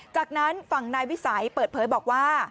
จากนั้นฝั่งนายวิสัยเปิดเผยบอกว่า